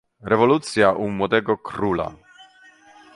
"Rewolucja u młodego króla."